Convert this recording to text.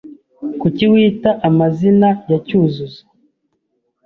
Kuki wita amazina ya Cyuzuzo?